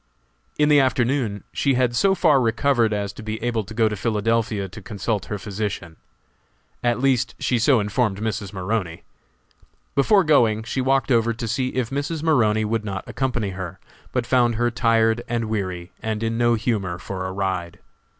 In the afternoon she had so far recovered as to be able to go to Philadelphia to consult her physician. At least she so informed Mrs. Maroney. Before going she walked over to see if Mrs. Maroney would not accompany her, but found her tired and weary, and in no humor for a ride.